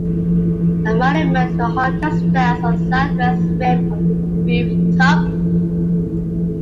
A monument to Hunter stands on the southwest rim of the Beef Tub.